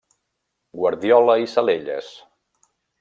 Guardiola i Salelles.